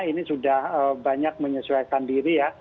ini sudah banyak menyesuaikan diri ya